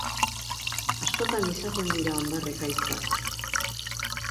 Askotan izaten dira hondar ekaitzak.